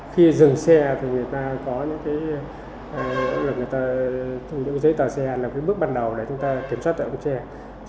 khi dừng xe thì người ta có những cái lực lượng người ta dùng những cái giấy tờ xe là cái bước ban đầu để chúng ta kiểm soát được cái xe